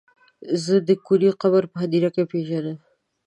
زه د کوني قبر په هديره کې پيژنم.